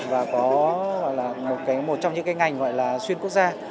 và có gọi là một trong những cái ngành gọi là xuyên quốc gia